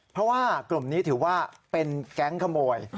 เพราะว่ากลุ่มนี้ถือว่าเป็นแก๊งขโมย